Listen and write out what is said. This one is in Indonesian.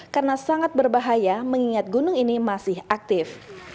karena sangat berbahaya mengingat gunung ini masih aktif